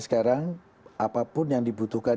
sekarang apapun yang dibutuhkan